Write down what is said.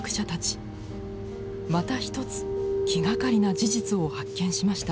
また一つ気がかりな事実を発見しました。